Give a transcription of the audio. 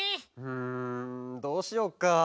んどうしよっか。